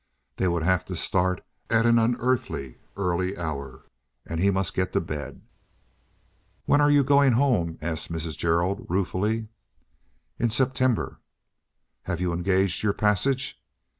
They would have to start at an unearthly early hour, and he must get to bed. "When are you going home?" asked Mrs. Gerald, ruefully. "In September." "Have you engaged your passage?"